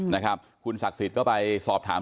นะครับคุณศักดิ์สิทธิ์ก็ไปสอบถาม